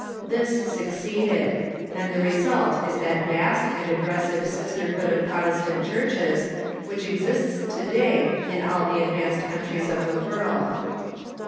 This succeeded ; and the result is that vast and aggressive sisterhood of Protestant churches which exists to day in all the advanced countries of the world.